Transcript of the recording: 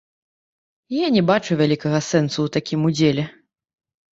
Я не бачу вялікага сэнсу ў такім удзеле.